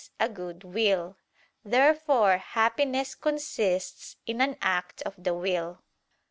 a good will." Therefore happiness consists in an act of the will.